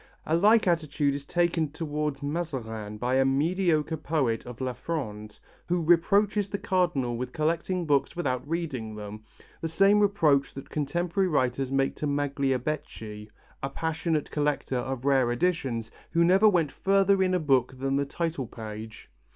A like attitude is taken towards Mazarin by a mediocre poet of La Fronde, who reproaches the Cardinal with collecting books without reading them; the same reproach that contemporary writers make to Magliabechi, a passionate collector of rare editions who never went further in a book than the title page.